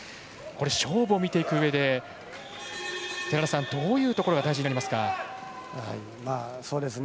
勝負を見ていくうえでどういうところが大事になりますか？